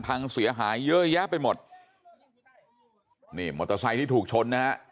พังเสียหายเยอะแยะไปหมดนี่มอเตอร์ไซค์ที่ถูกชนนะฮะ